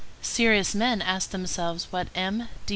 Serious men asked themselves what M.